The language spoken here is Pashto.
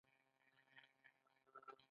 عصري تعلیم مهم دی ځکه چې د عمر محدودیت نه لري.